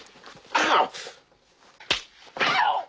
あっ‼